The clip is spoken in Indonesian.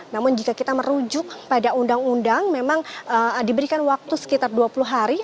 namun jika kita merujuk pada undang undang memang diberikan waktu sekitar dua puluh hari